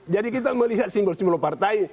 jadi kita melihat simbol simbol partai